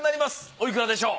おいくらでしょう？